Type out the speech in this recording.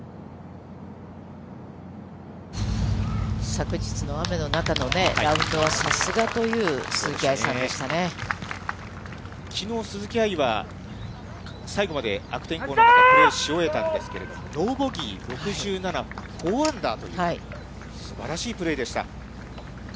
昨日の雨の中のね、ラウンドはさすがという、きのう、鈴木愛は最後まで悪天候の中、プレーし終えたんですけれども、ノーボギー６７、４アンダーという、すばらしいプレーでした。